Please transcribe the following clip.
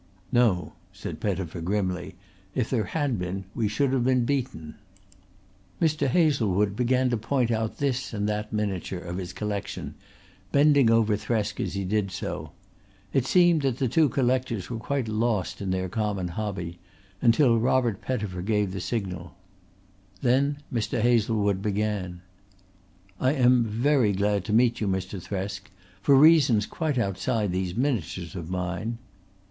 "No," said Pettifer grimly. "If there had been we should have been beaten." Mr. Hazlewood began to point out this and that miniature of his collection, bending over Thresk as he did so. It seemed that the two collectors were quite lost in their common hobby until Robert Pettifer gave the signal. Then Mr. Hazlewood began: "I am very glad to meet you, Mr. Thresk, for reasons quite outside these miniatures of mine."